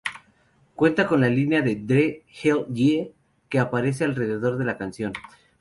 Cuenta con la línea de Dre "Hell yeah" que aparece alrededor de la canción.